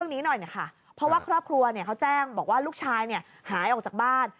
ทำเรื่องนี้หน่อยเพราะว่าครอบครัวแจ้งว่าลูกชายหายออกจากบ้าน